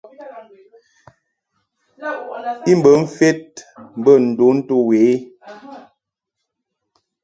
I bə mfed mbə ndon to we i.